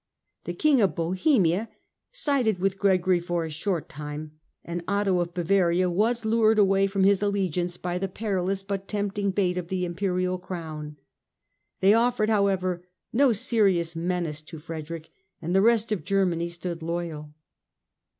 The King of Bohemia sided with Gregory for a short time, and Otho of Bavaria was lured away from his allegiance by the perilous but tempting bait of the Imperial Crown. They offered, however, no serious menace to Frederick and the rest of Germany stood loyal.